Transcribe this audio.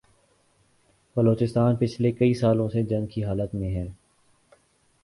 بلوچستان پچھلے کئی سالوں سے جنگ کی حالت میں ہے